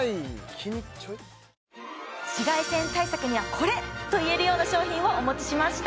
キニチョイ紫外線対策にはこれといえるような商品をお持ちしました